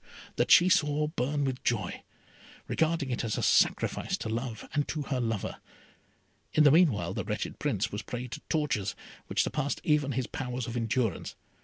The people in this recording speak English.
That she saw burn with joy, regarding it as a sacrifice to love, and to her lover. In the meanwhile the wretched Prince was a prey to tortures, which surpassed even his powers of endurance.